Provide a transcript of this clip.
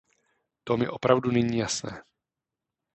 To mi opravdu není jasné.